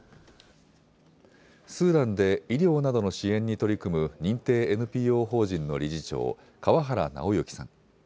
スーダンで医療などの支援に取り組む認定ＮＰＯ法人の理事長、川原尚行さん。